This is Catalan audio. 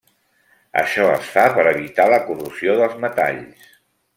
Això es fa per evitar la corrosió dels metalls.